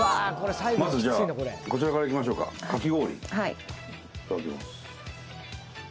まずじゃあこちらからいきましょうかかき氷はいいただきます